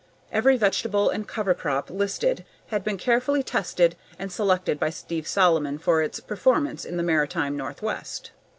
Every vegetable and cover crop listed had been carefully tested and selected by Steve Solomon for its performance in the maritime Northwest.